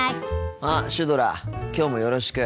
あっシュドラきょうもよろしく。